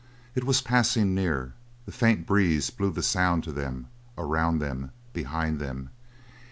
It was passing near; the faint breeze blew the sound to them, around them, behind them.